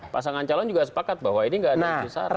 pasangan calon juga sepakat bahwa ini gak ada isu syarat